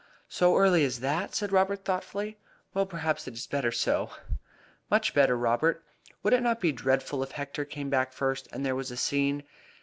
"So early as that!" said Robert, thoughtfully. "Well, perhaps it is better so." "Much better, Robert. Would it not be dreadful if Hector came back first and there was a scene?